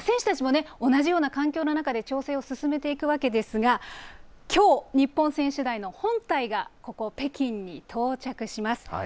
選手たちも同じような環境の中で、調整を進めていくわけですが、きょう、日本選手団の本隊が、ここ北京に到着します。